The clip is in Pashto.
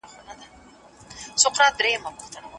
ښوونکي د زده کوونکو د لیک لوست څارنه کوي.